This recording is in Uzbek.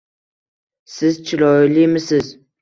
- Siz chiroylimisiz?